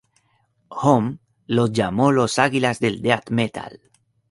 Homme los llamó "los águilas del death metal".